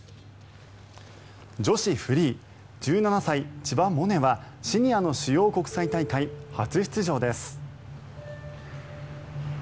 女子フリー１７歳、千葉百音はシニアの主要国際大会初出場です。